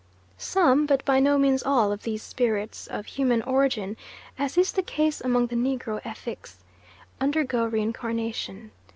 Some, but by no means all, of these spirits of human origin, as is the case among the Negro Effiks, undergo reincarnation.